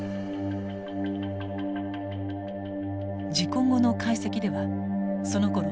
事故後の解析ではそのころ